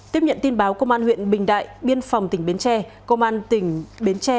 tiếp nhận tin báo công an huyện bình đại biên phòng tỉnh bến tre công an tỉnh bến tre